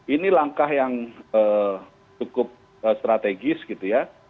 ini langkah yang cukup strategis gitu ya